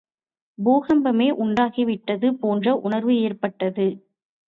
பூகம்பமே உண்டாகிவிட்டது போன்ற உணர்வு ஏற்பட்டது.